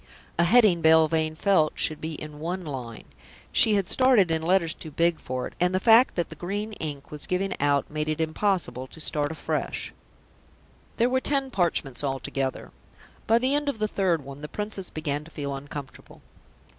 A heading, Belvane felt, should be in one line; she had started in letters too big for it, and the fact that the green ink was giving out made it impossible to start afresh. There were ten parchments altogether. By the end of the third one, the Princess began to feel uncomfortable.